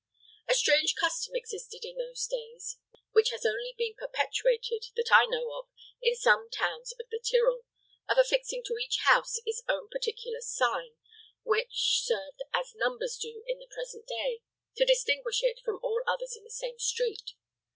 A strange custom existed in those days, which has only been perpetuated, that I know of, in some towns of the Tyrol, of affixing to each house its own particular sign, which served, as numbers do in the present day, to distinguish it from all others in the same street.